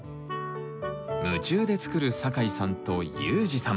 夢中で作る酒井さんとユージさん。